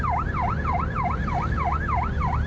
โอ้โหเนี่ย